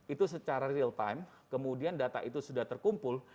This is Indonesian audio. itu secara real time kemudian data itu sudah terkumpul